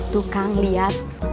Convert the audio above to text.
tuh kang liat